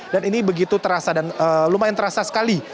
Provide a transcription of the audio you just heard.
dan ini begitu terasa dan lumayan terasa sekali